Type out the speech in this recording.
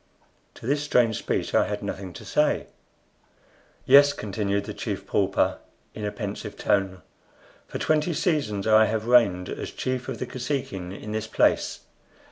To this strange speech I had nothing to say. "Yes," continued the Chief Pauper, in a pensive tone, "for twenty seasons I have reigned as chief of the Kosekin in this place.